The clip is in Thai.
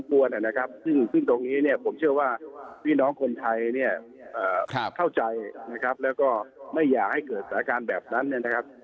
เข้าใจนะครับแล้วก็ไม่อยากให้เกิดสถาการณ์แบบนั้นเนี่ยนะครับ